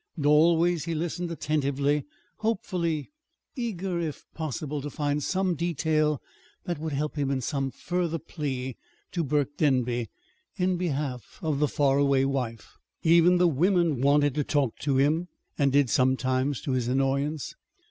And always he listened attentively, hopefully, eager, if possible, to find some detail that would help him in some further plea to Burke Denby in behalf of the far away wife. Even the women wanted to talk to him, and did, sometimes to his annoyance.